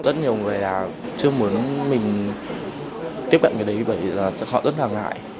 rất nhiều người chưa muốn mình tiếp cận cái đấy bởi vì họ rất là ngại